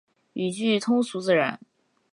语句通俗自然